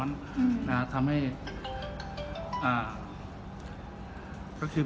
ไม่มีครับไม่มีครับ